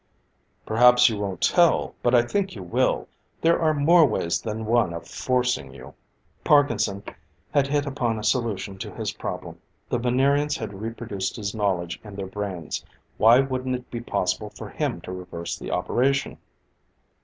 "Perhaps you won't tell, but I think you will. There are more ways than one of forcing you." Parkinson had hit upon a solution to his problem. The Venerians had reproduced his knowledge in their brains; why wouldn't it be possible for him to reverse the operation?